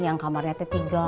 yang kamarnya t tiga